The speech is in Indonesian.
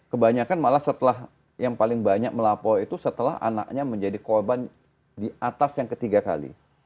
kebanyakan malah setelah yang paling banyak melapor itu setelah anaknya menjadi korban di atas yang ketiga kali